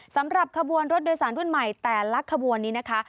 สำหรับขบวนรถโดยสารรุ่นใหม่แต่ละขบวนนี้นะคะ